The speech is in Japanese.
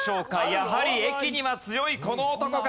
やはり駅には強いこの男か？